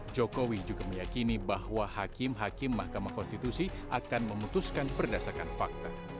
jokowi juga meyakini bahwa hakim hakim mahkamah konstitusi akan memutuskan berdasarkan fakta